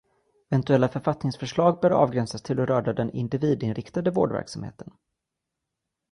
Eventuella författningsförslag, bör avgränsas till att röra den individinriktade vårdverksamheten.